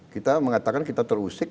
kita mengatakan kita terusik